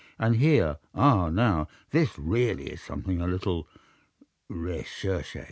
And here—ah, now, this really is something a little recherch├®."